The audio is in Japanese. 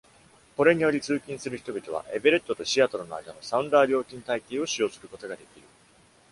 これにより、通勤する人々は Everett と Seattle の間の Sounder 料金体系を使用することができる。